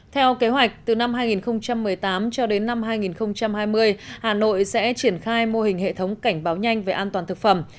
theo kế hoạch từ năm hai nghìn một mươi tám cho đến năm hai nghìn hai mươi hà nội sẽ triển khai mô hình hệ thống cảnh báo nhanh về an toàn thực phẩm